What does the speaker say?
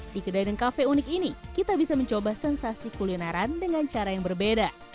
di kedai dan kafe unik ini kita bisa mencoba sensasi kulineran dengan cara yang berbeda